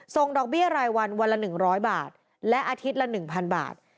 ส่งดอกเบี้ยรายวันวันละ๑๐๐บาทและอาทิตย์ละ๑๐๐บาท